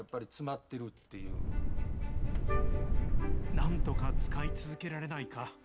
なんとか使い続けられないか。